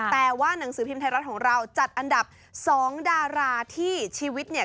แต่ว่าหนังสือพิมพ์ไทยรัฐของเราจัดอันดับ๒ดาราที่ชีวิตเนี่ย